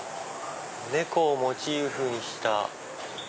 猫をモチーフにした。